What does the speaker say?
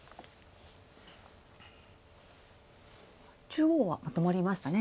中央はまとまりましたね